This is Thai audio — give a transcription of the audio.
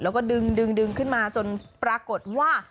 แล้วดึงขึ้นมาจนเป็นปรากฏว่า